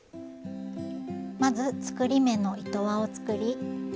まず作り目の糸輪を作り